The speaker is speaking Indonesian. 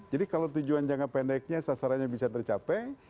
jadi kalau tujuan jangka pendeknya sasarannya bisa tercapai